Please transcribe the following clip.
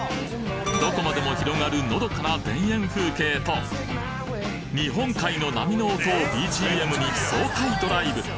どこまでも広がるのどかな田園風景と日本海の波の音をＢＧＭに爽快ドライブ